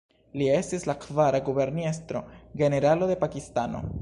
Li estis la kvara guberniestro-generalo de Pakistano.